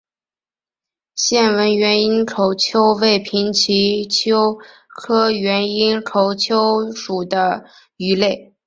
线纹原缨口鳅为平鳍鳅科原缨口鳅属的鱼类。